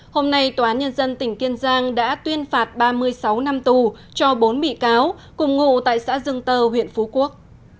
hôm nay tòa án nhân dân tỉnh kiên giang đã tuyên phạt ba mươi sáu năm tù cho bốn bị cáo cùng ngụ tại xã dương tơ huyện phú quốc